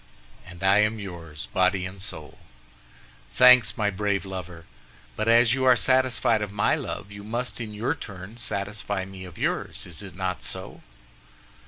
"And I am yours, body and soul!" "Thanks, my brave lover; but as you are satisfied of my love, you must, in your turn, satisfy me of yours. Is it not so?"